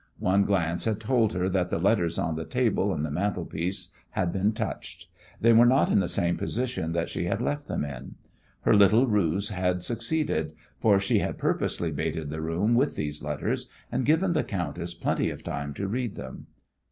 One glance had told her that the letters on the table and the mantelpiece had been touched. They were not in the same position that she had left them in. Her little ruse had succeeded, for she had purposely baited the room with these letters and given the countess plenty of time to read them.